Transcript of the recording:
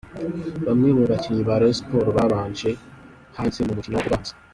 Bamwe mu bakinnyi ba Rayon Sports babanje hanze mu mukino ubanza .